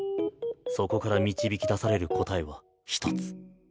そこから導き出される答えは一つ。